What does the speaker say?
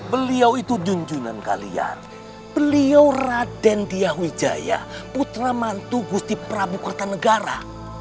beliau itu junjunan kalian beliau raden diahwijaya putra mantu gusti prabu kota negara